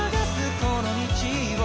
この道を」